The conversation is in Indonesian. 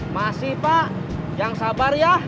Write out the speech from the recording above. masih pak yang sabar ya